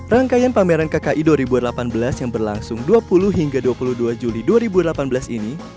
rangkaian pameran kki dua ribu delapan belas yang berlangsung dua puluh hingga dua puluh dua juli dua ribu delapan belas ini